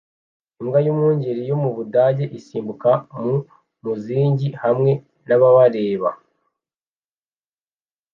Imbwa y'umwungeri yo mu Budage isimbuka mu muzingi hamwe n'ababareba